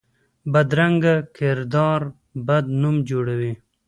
بدرنګه کردار بد نوم جوړوي